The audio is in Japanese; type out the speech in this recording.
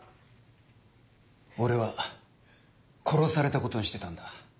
俺は殺されたことにしてたんだ。